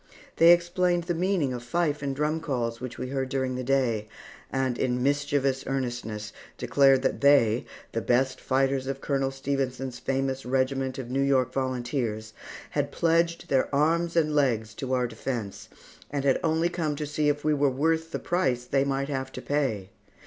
They explained the meaning of fife and drum calls which we heard during the day, and in mischievous earnestness, declared that they, the best fighters of Colonel Stephenson's famous regiment of New York Volunteers, had pledged their arms and legs to our defence, and had only come to see if we were worth the price they might have to, pay.